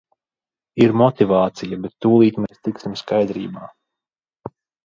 Ir motivācija, bet tūlīt mēs tiksim skaidrībā.